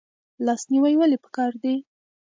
لاس نیوی ولې پکار دی؟